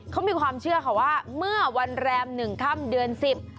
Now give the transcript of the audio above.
เขามีความเชื่อค่ะว่าเมื่อวันแรมหนึ่งค่ำเดือนสิบ